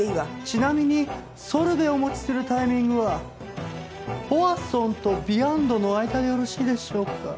ちなみにソルベをお持ちするタイミングはポワソンとヴィアンドの間でよろしいでしょうか？